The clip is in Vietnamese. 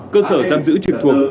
cơ sở giam giữ truyền thuộc